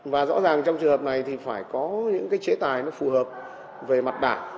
và rõ ràng trong trường hợp này thì phải có những chế tài phù hợp về mặt đảng